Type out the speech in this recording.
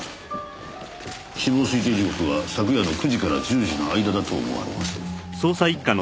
死亡推定時刻は昨夜の９時から１０時の間だと思われます。